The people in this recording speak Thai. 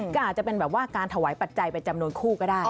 ก็อาจจะเป็นแบบว่าการถวายปัจจัยเป็นจำนวนคู่ก็ได้